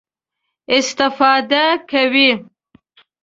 استفاده کوي.